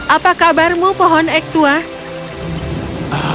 apa kabarmu pohon ek tua